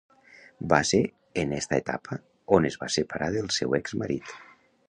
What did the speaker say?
Va ser en esta etapa on es va separar del seu exmarit.